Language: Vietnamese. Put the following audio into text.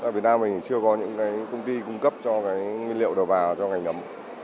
việt nam mình chưa có những công ty cung cấp cho nguyên liệu đầu vào cho ngành ấm